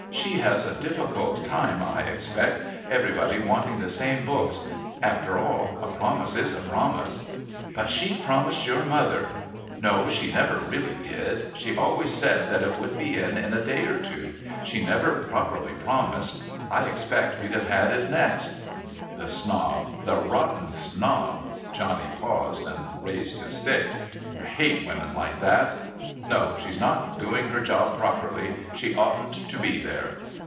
She has a difficult time, I expect, everybody wanting the same books. After all a promise is a promise." "But she'd promised your mother " "No, she never really did. She always said that it would be in in a day or two. She never properly promised. I expect we'd have had it next." "The snob, the rotten snob!" Johnny paused and raised his stick. "I hate women like that. No, she's not doing her job properly. She oughtn't to be there."